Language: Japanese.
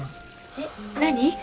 えっ何？